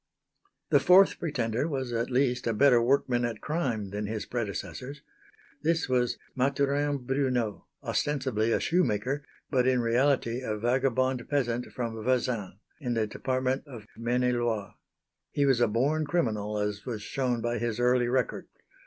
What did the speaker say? The fourth pretender was at least a better workman at crime than his predecessors. This was Mathurin Brunneau ostensibly a shoemaker but in reality a vagabond peasant from Vezins, in the department of Maine et Loire. He was a born criminal as was shown by his early record.